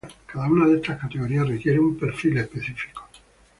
Cada una de estas categorías requiere un perfil específico.